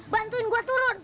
bantuin gua turun